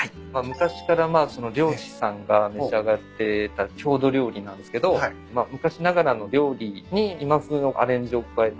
昔から漁師さんが召し上がってた郷土料理なんですけど昔ながらの料理に今風のアレンジを加えたんですけど。